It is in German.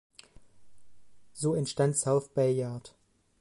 So entstand "South Bayard".